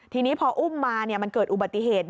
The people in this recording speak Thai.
ทีนี้พออุ้มมามันเกิดอุบัติเหตุ